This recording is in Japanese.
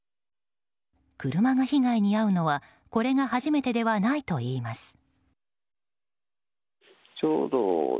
車が被害に遭うのはこれが初めてではないといいます。